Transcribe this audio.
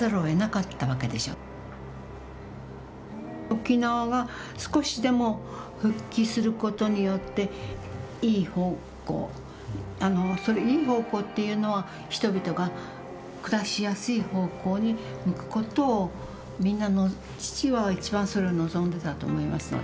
沖縄が少しでも復帰することによっていい方向いい方向っていうのは人々が暮らしやすい方向に向くことをみんな父は一番それを望んでたと思いますのでね。